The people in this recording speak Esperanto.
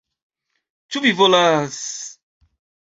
Ĉu vi volas...